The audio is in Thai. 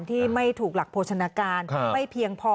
ที่ไม่ถูกหลักโภชนาการไม่เพียงพอ